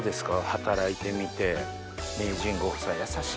働いてみて。